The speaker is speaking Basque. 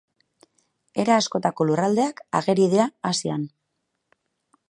Era askotako lurraldeak ageri dira Asian.